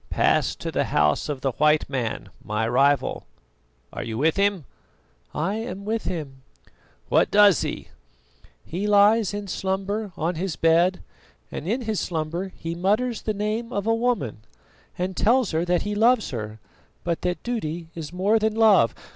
"Pass to the house of the white man, my rival. Are you with him?" "I am with him." "What does he?" "He lies in slumber on his bed, and in his slumber he mutters the name of a woman, and tells her that he loves her, but that duty is more than love.